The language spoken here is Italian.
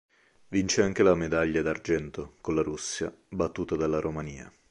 Vince anche la medaglia d'argento con la Russia, battuta dalla Romania.